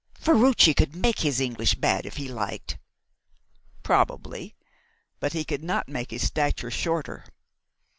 "Ferruci could make his English bad if he liked." "Probably; but he could not make his stature shorter.